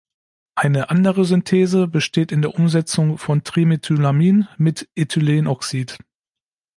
Eine andere Synthese besteht in der Umsetzung von Trimethylamin mit Ethylenoxid.